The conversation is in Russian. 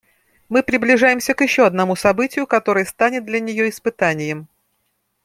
Мы приближаемся к еще одному событию, которое станет для нее испытанием.